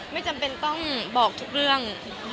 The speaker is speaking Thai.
ไม่จำเป็นต้องบอกทุกบัง